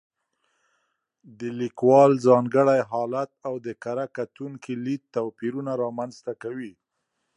د لیکوال ځانګړی حالت او د کره کتونکي لید توپیرونه رامنځته کوي.